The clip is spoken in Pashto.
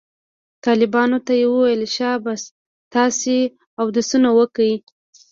طلباو ته يې وويل شابه تاسې اودسونه وکئ.